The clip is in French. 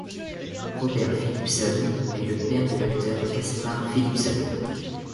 Robert Phillipson est le père de l'acteur Caspar Phillipson.